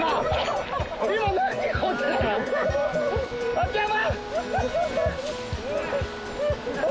秋山！